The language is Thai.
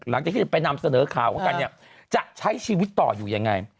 หลังจากที่ไปนำเสนอข่าวกันเนี่ยจะใช้ชีวิตต่ออยู่ยังไง